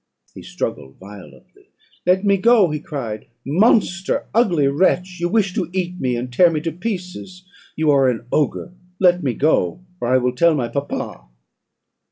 "He struggled violently. 'Let me go,' he cried; 'monster! ugly wretch! you wish to eat me, and tear me to pieces You are an ogre Let me go, or I will tell my papa.'